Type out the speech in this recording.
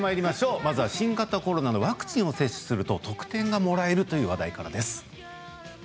まずは新型コロナのワクチンを接種すると特典がもらえるという話題からです。